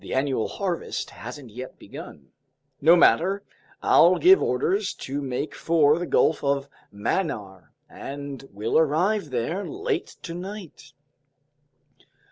The annual harvest hasn't yet begun. No matter. I'll give orders to make for the Gulf of Mannar, and we'll arrive there late tonight."